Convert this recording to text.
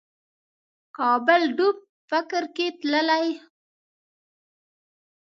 کابل ډوب فکر کې تللی